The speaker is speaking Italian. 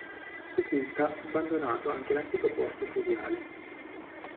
Risulta abbandonato anche l'antico porto fluviale.